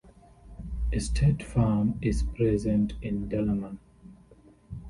A state farm is present in Dalaman.